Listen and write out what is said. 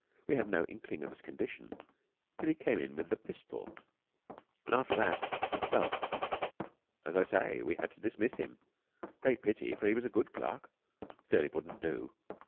We had no inkling of his condition till he came in with the pistol. And, after that ... well, as I say, we had to dismiss him. A great pity, for he was a good clerk. Still, it wouldn't do.